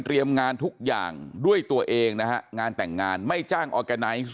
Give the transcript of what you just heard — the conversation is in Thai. งานทุกอย่างด้วยตัวเองนะฮะงานแต่งงานไม่จ้างออร์แกไนซ์